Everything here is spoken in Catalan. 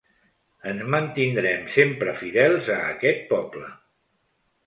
Ens mantindrem sempre fidels a aquest poble.